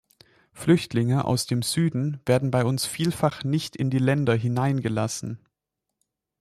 Flüchtlinge aus dem Süden werden bei uns vielfach nicht in die Länder hineingelassen.